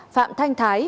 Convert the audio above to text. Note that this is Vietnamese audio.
phạm thanh thái